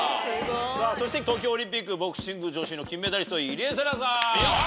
さぁそして東京オリンピックボクシング女子の金メダリスト入江聖奈さん！